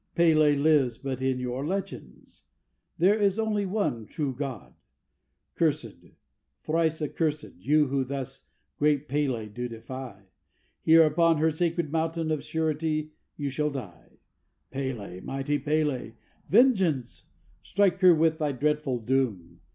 P├®l├® lives but in your legends there is only one true God!" "Curs├®d, thrice accurs├®d, you who thus great P├®l├® do defy, Here, upon her sacred mountain, of a surety you shall die! P├®l├®, mighty P├®l├®, Vengeance! Strike her with thy dreadful doom!